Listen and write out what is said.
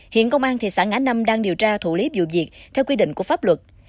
hiện công an thị xã ngã năm đang điều tra thủ lý vụ việc theo quy định của pháp luật